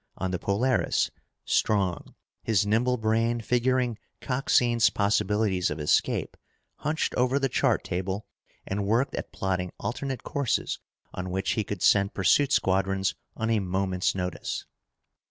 On the Polaris, Strong, his nimble brain figuring Coxine's possibilities of escape, hunched over the chart table and worked at plotting alternate courses on which he could send pursuit squadrons on a moment's notice.